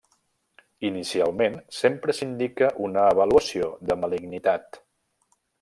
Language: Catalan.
Inicialment, sempre s'indica una avaluació de malignitat.